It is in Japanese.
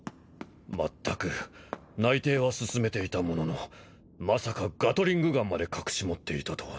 まったく内偵は進めていたもののまさかガトリングガンまで隠し持っていたとはな。